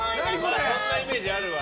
そんなイメージあるわ。